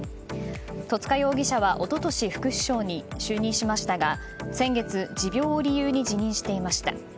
戸塚容疑者は一昨年副市長に就任しましたが先月、持病を理由に辞任していました。